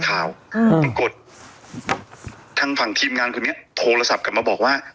ปรากฏทางฝั่งทีมงานคนนี้โทรศัพท์กลับมาบอกว่า